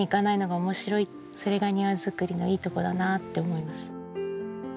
それが庭づくりのいいとこだなって思います。